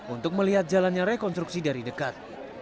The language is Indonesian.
untuk melihat jalannya rekonstruksi dari dekat